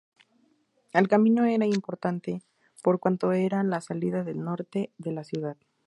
El camino era importante por cuanto era la salida norte de la ciudad.